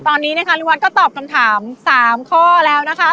ตอนนี้นะคะริวัฒนก็ตอบคำถาม๓ข้อแล้วนะคะ